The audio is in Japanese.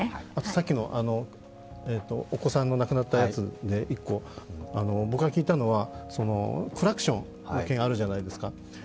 さっきの、お子さんの亡くなったやつで１個僕が聞いたのは、クラクションの件があるじゃないですか。